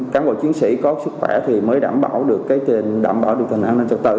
các bộ chiến sĩ có sức khỏe thì mới đảm bảo được tình hình an ninh trực tự